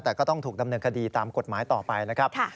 แต่ก็ต้องถูกดำเนินคดีตามกฎหมายต่อไปนะครับ